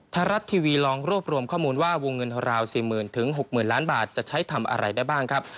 ไทยรัฐทีวีลองรวบรวมข้อมูลว่าวงเงินราว๔๐๐๐๖๐๐๐ล้านบาทจะใช้ทำอะไรได้บ้างครับ